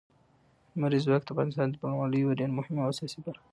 لمریز ځواک د افغانستان د بڼوالۍ یوه ډېره مهمه او اساسي برخه ده.